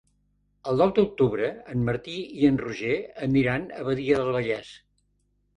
El nou d'octubre en Martí i en Roger aniran a Badia del Vallès.